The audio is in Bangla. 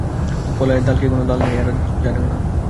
কলায়ের দাল কি কোন দাল নেই, এরা জানেও না।